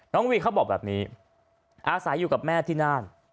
วีเขาบอกแบบนี้อาศัยอยู่กับแม่ที่น่าน